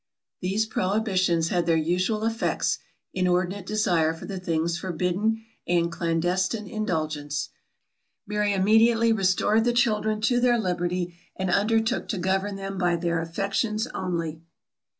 These prohibitions had their usual effects; inordinate desire for the things forbidden, and clandestine indulgence. Mary immediately restored the children to their liberty, and undertook to govern them by their affections only.